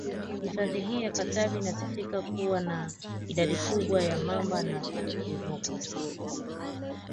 Hifadhi hii ya Katavi inasifika kwa kuwa na idadi kubwa ya Mamba na voboko